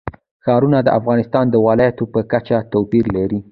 ښارونه د افغانستان د ولایاتو په کچه توپیر لري.